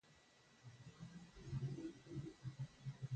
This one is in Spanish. Por fe cayeron los muros de Jericó con rodearlos siete días.